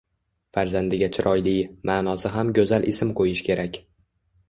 Farzandiga chiroyli, maʼnosi ham goʻzal ism qoʻyish kerak.